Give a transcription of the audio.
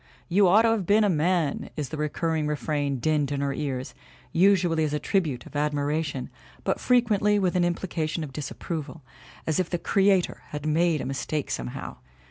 "You ought to have been a man," is the recurring refrain dinned in her ears, usually as a tribute of admiration but frequently with an implica tion of disapproval, as if the Creator had made a mistake somehow.